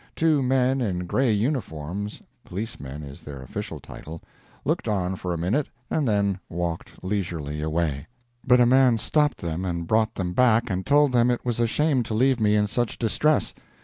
Two men in gray uniforms (policemen is their official title) looked on for a minute and then walked leisurely away. But a man stopped them and brought them back and told them it was a shame to leave me in such distress.